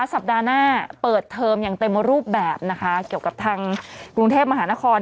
สัปดาห์หน้า